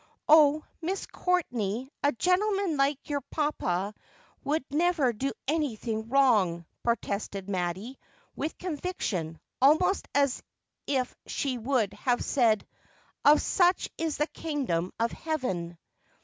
' Oh, Miss Courtenay, a gentleman like your papa would never do anything wrong,' protested Mattie, with conviction, almost as if she would have said,' Of such is the kingdom of heaven.'